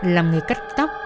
làm người cắt tóc